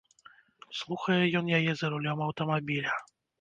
Слухае ён яе за рулём аўтамабіля.